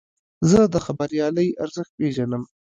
زه د خبریالۍ ارزښت پېژنم.